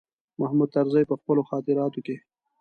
محمود طرزي په خپلو خاطراتو کې.